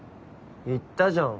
言ったじゃん